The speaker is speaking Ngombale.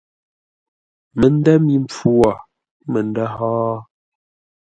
Məndə̂ mi mpfu wo məndə̂ hó?